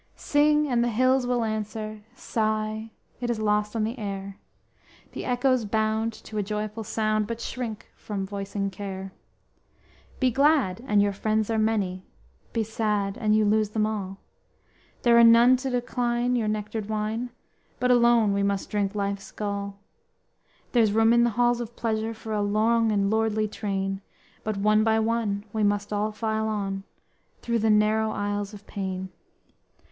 Sing and the hills will answer, Sigh, it is lost on the air, The echoes bound to a joyful sound, But shrink from voicing care._ _Be glad and your friends are many; Be sad and you lose them all; There are none to decline your nectared wine, But alone we must drink life's gall. There's room in the halls of pleasure, For a long and lordly train, But one by one we must all file on; Through the narrow aisles of pain.